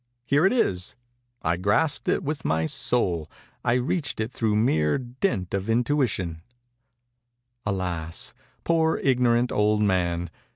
Here it is. I grasped it with my soul—I reached it through mere dint of intuition.' Alas, poor ignorant old man!